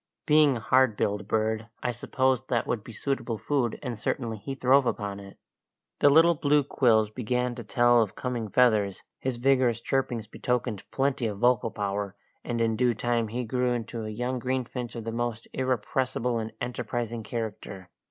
Being a hard billed bird, I supposed that would be suitable food, and certainly he throve upon it. The little blue quills began to tell of coming feathers, his vigorous chirpings betokened plenty of vocal power, and in due time he grew into a young greenfinch of the most irrepressible and enterprising character.